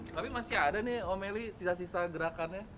tapi masih ada nih om meli sisa sisa gerakannya